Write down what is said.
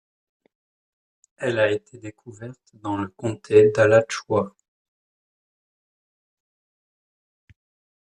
Elle a été découverte dans le comté d'Alachua.